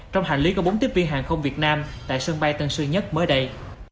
trong hành lý có bốn tiếp viên hàng không việt nam tại sân bay tân sư nhất mới đây